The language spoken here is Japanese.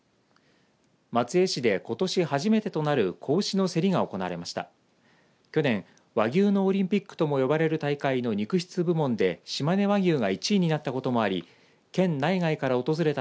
松江市で、ことし初めてとなる子牛の競りが行われました。